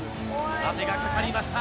待てがかかりました。